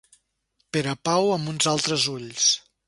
Perepau amb uns altres ulls.